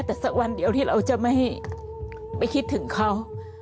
แต่สักวันเดียวที่เราจะไม่คิดถึงเขา